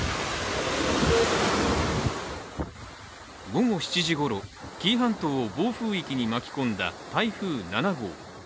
午後７時ごろ、紀伊半島を暴風域に巻き込んだ台風７号。